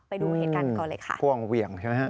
ไปดูเหตุการณ์ก่อนเลยค่ะพ่วงเหวี่ยงใช่ไหมฮะ